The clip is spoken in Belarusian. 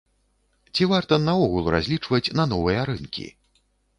Ці варта наогул разлічваць на новыя рынкі?